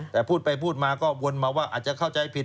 แต่พูดไปพูดมาก็วนมาว่าอาจจะเข้าใจผิด